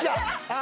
あ！